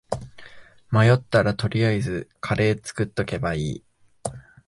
迷ったら取りあえずカレー作っとけばいい